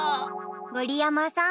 ごりやまさん。